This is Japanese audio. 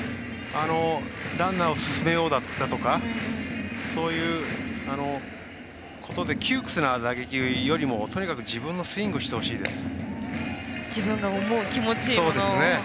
ランナーを進めようだとかそういうことで窮屈な打撃より自分のスイングしてほしいです。